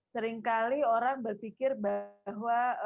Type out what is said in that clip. seringkali orang berpikir bahwa